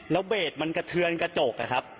แล้วเบสมันกระเทือนกระจกอะครับ